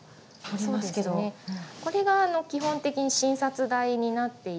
これが基本的に診察台になっていて。